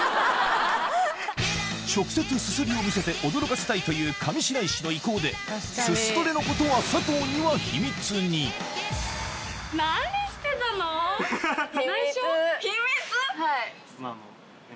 直接すすりを見せて驚かせたいという上白石の意向ですすトレのことははい。